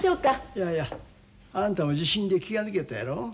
いやいやあんたも地震で気が抜けたやろ。